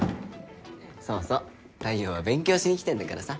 そうそう太陽は勉強しに来てんだからさ。